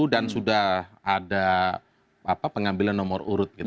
dan sudah ada pengambilan nomor urut